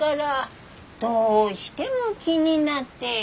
どうしても気になって。